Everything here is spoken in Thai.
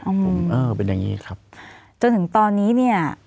เออเป็นอย่างงี้ครับจนถึงตอนนี้เนี่ย